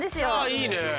いいね！